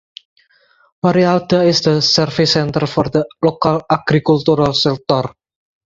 Warialda is the service centre for the local agricultural sector.